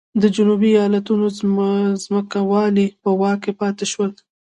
د جنوبي ایالتونو ځمکوالو په واک کې پاتې شول.